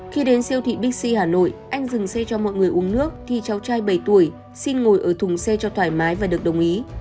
khi đến siêu thị bixi hà nội anh dừng xe cho mọi người uống nước thì cháu trai bảy tuổi xin ngồi ở thùng xe cho thoải mái và được đồng ý